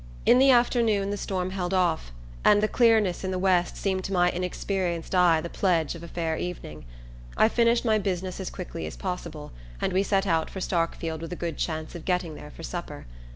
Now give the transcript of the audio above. In the afternoon the storm held off, and the clearness in the west seemed to my inexperienced eye the pledge of a fair evening. I finished my business as quickly as possible, and we set out for Starkfield with a good chance of getting there for supper.